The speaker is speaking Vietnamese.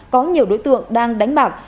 có nhiều đối tượng đang đánh bạc